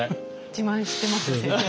自慢してます先生？